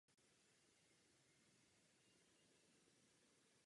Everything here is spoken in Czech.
Existují seznamy slov sestavených pro mnoho jazyků včetně angličtiny i češtiny.